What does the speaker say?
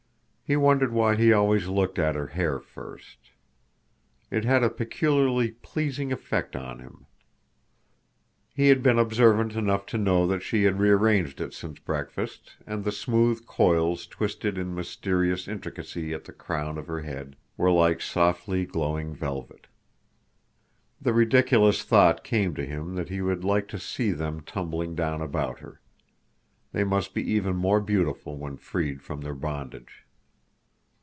He wondered why he always looked at her hair first. It had a peculiarly pleasing effect on him. He had been observant enough to know that she had rearranged it since breakfast, and the smooth coils twisted in mysterious intricacy at the crown of her head were like softly glowing velvet. The ridiculous thought came to him that he would like to see them tumbling down about her. They must be even more beautiful when freed from their bondage.